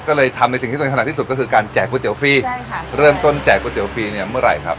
ก็เลยทำในสิ่งที่สนขนาดที่สุดก็คือการแจกก๋วยเตี๋ยวฟรีเริ่มต้นแจกก๋วยเตี๋ยวฟรีเมื่อไหร่ครับ